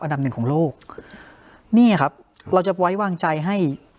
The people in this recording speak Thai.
อันดับหนึ่งของโลกนี่ครับเราจะไว้วางใจให้